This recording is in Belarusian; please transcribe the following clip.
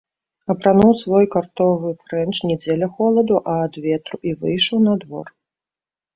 Апрануў свой картовы фрэнч не дзеля холаду, а ад ветру і выйшаў на двор.